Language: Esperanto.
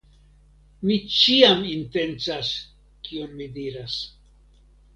mi ĉiam intencas kion mi diras.